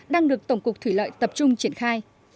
đang được tổng cục thủy lợi tập trung triển khai